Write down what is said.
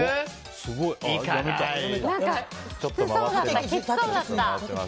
何かきつそうだった。